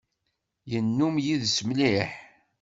Yennum yid-s mliḥ.